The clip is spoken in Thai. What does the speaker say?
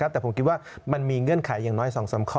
แต่ผมคิดว่ามันมีเงื่อนไขอย่างน้อย๒๓ข้อ